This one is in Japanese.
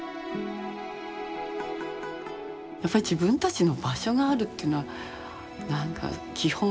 やっぱ自分たちの場所があるっていうのはなんか基本？